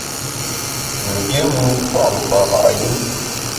Mgbiémùn pua’ mkpara’ yùm.